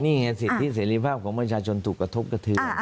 นี่เห็นสิทธิ์ที่เสรีภาพของมัวชาชนถูกกระทบก็ถือ